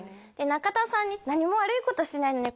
中田さんに「何も悪いことしてないのに」